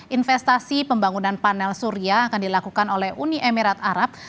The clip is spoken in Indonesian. investasi pembangunan panel surya akan dilakukan oleh uni emirat arab